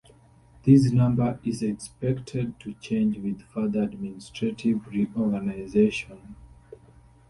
This number is expected to change with further administrative reorganization.